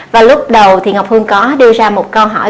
và lúc đầu thì ngọc hưng có đưa ra một câu hỏi